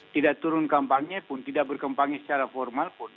tidak turun kampangnya pun tidak berkempang secara formal pun